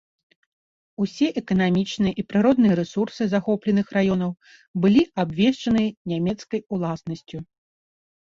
Усе эканамічныя і прыродныя рэсурсы захопленых раёнаў былі абвешчаныя нямецкай уласнасцю.